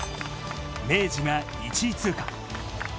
明治が１位通過。